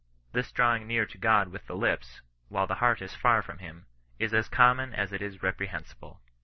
This drawing near to God with the lips, while the heart is far from him, is as common as it is reprehensible.